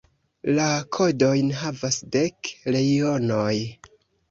La kodojn havas dek reionoj.